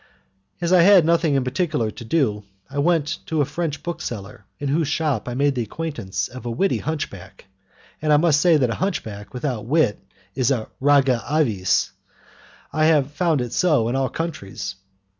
As I had nothing particular to do, I went to a French bookseller in whose shop I made the acquaintance of a witty hunchback, and I must say that a hunchback without wit is a rara avis; I have found it so in all countries.